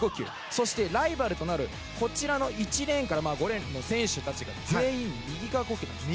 そしてライバルとなるこちらの１レーンから５レーンの選手たちが全員右側呼吸ですね。